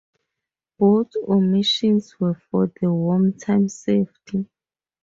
Both omissions were for wartime safety.